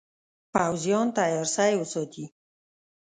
پوځیان تیار سی وساتي.